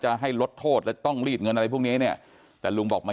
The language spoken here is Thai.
ให้ลดโทษแล้วต้องรีดเงินอะไรพวกนี้เนี่ยแต่ลุงบอกไม่